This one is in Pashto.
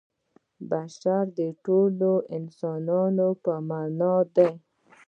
بشر د ټولو انسانانو په معنا دی.